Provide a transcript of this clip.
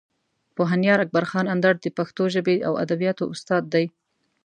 پوهنیار اکبر خان اندړ د پښتو ژبې او ادبیاتو استاد دی.